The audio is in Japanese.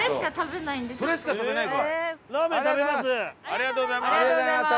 ありがとうございます。